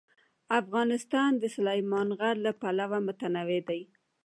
افغانستان د سلیمان غر له پلوه متنوع دی.